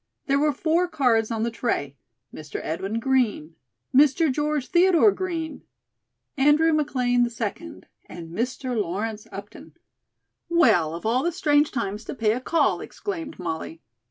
There were four cards on the tray: "Mr. Edwin Green," "Mr. George Theodore Green," "Andrew McLean, 2d," and "Mr. Lawrence Upton." "Well, of all the strange times to pay a call," exclaimed Molly.